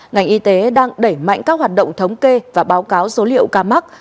ngành y tế đang đẩy mạnh các hoạt động thống kê và báo cáo số liệu ca mắc